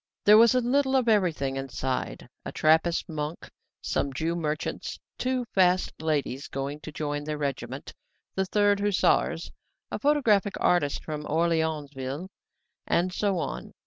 There was a little of everything inside a Trappist monk, some Jew merchants, two fast ladies going to join their regiment, the Third Hussars, a photographic artist from Orleansville, and so on.